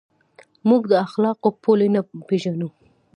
موږ د اخلاقو پولې نه پېژنو.